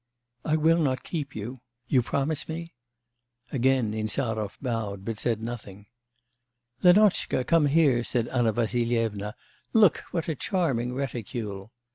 'I will not keep you.... You promise me?' Again Insarov bowed, but said nothing. 'Lenotchka, come here,' said Anna Vassilyevna, 'look, what a charming reticule.